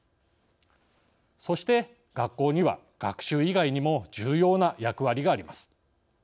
そして学校には学習以外にも重要な役割があります。